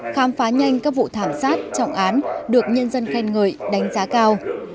khám phá nhanh các vụ thảm sát trọng án được nhân dân khen ngợi đánh giá cao